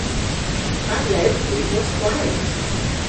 Fatel ewgh hwi wosa gwari?